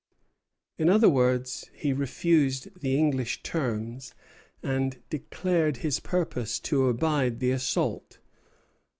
In other words, he refused the English terms, and declared his purpose to abide the assault.